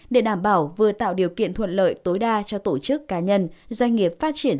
để đảm bảo vừa tạo điều kiện thuận lợi tối đa cho tổ chức cá nhân doanh nghiệp phát triển